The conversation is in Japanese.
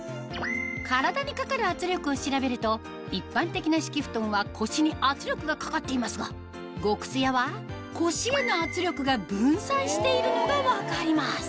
体にかかる圧力を調べると一般的な敷布団は腰に圧力がかかっていますが極すやは腰への圧力が分散しているのが分かります